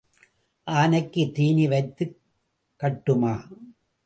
ஆனைக்குத் தீனி வைத்துக் கட்டுமா?